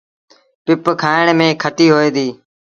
پپ کآڻ ميݩ کٽيٚ هوئي ديٚ۔